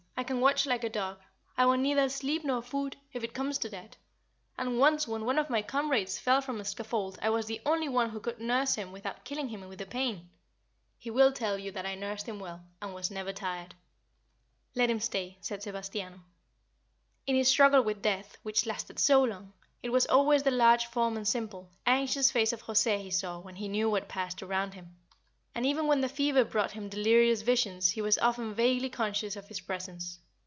"I can watch like a dog. I want neither sleep nor food, if it comes to that; and once when one of my comrades fell from a scaffold I was the only one who could nurse him without killing him with the pain. He will tell you that I nursed him well, and was never tired." "Let him stay," said Sebastiano. In his struggle with death, which lasted so long, it was always the large form and simple, anxious face of José he saw when he knew what passed around him, and even when the fever brought him delirious visions he was often vaguely conscious of his presence.